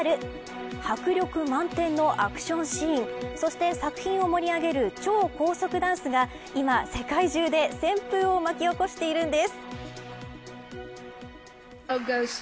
迫力満点のアクションシーンそして作品を盛り上げる超高速ダンスが今、世界中で旋風を巻き起こしているんです。